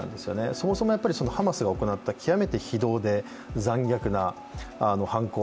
そもそもやっぱりハマスが行った極めて非道で残虐な犯行。